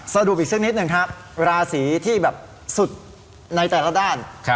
สรุปอีกสักนิดหนึ่งครับราศีที่แบบสุดในแต่ละด้าน